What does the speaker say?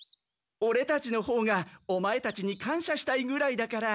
オレたちのほうがオマエたちに感謝したいぐらいだから。